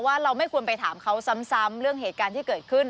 เราไม่ควรไปถามเขาซ้ำเรื่องเหตุการณ์ที่เกิดขึ้น